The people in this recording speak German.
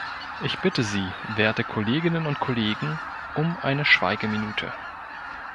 Ich bitte Sie, werte Kolleginnen und Kollegen, um eine Schweigeminute.